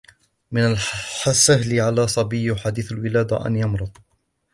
من السهل على صبي حديث الولادة أن يمرض.